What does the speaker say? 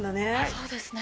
そうですね。